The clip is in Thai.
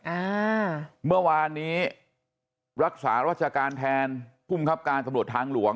อ่าเมื่อวานนี้รักษารัชการแทนภูมิครับการตำรวจทางหลวง